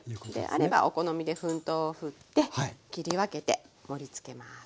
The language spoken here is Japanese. あればお好みで粉糖をふって切り分けて盛りつけます。